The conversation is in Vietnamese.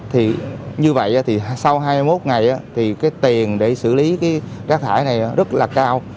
thì như vậy thì sau hai mươi một ngày thì cái tiền để xử lý cái rác thải này rất là cao